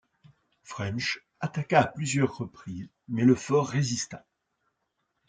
French attaqua à plusieurs reprises, mais le fort résista.